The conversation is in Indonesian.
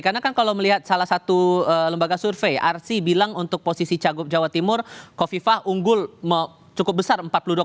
karena kan kalau melihat salah satu lembaga survei arsi bilang untuk posisi cagup jawa timur bukoviva unggul cukup besar empat puluh dua satu